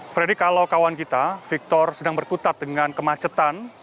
freddy kalau kawan kita victor sedang berkutat dengan kemacetan